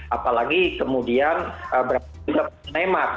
apalagi kemudian brazil juga pemenang neymar